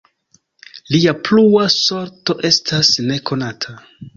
Lia plua sorto estas nekonata.